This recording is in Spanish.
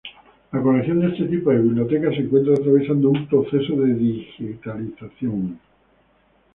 La colección de este tipo de bibliotecas se encuentra atravesando un proceso de digitalización.